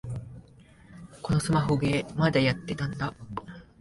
このスマホゲー、まだやってたんだ